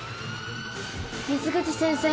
水口先生。